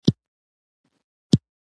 نن په ژوژ باران ووري